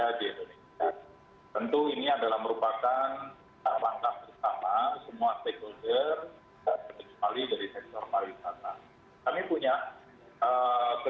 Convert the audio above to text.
nah yang selain delapan ini juga sudah dipenuhi oleh para wisata